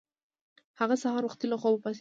هغه سهار وختي له خوبه پاڅیده.